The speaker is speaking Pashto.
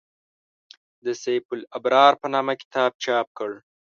د «سیف الابرار» په نامه کتاب چاپ کړ.